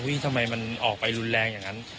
ทำไมมันออกไปรุนแรงอย่างนั้น